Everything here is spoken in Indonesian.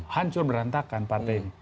hancur berantakan partai ini